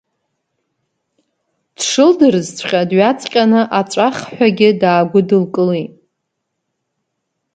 Дшылдырызҵәҟьа дҩаҵҟьаны аҵәах ҳәагьы даагәыдылкылеит.